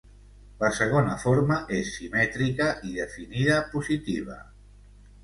La segona forma, és simètrica i definida positiva.